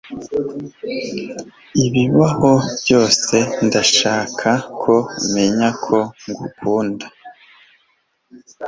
ibibaho byose, ndashaka ko umenya ko ngukunda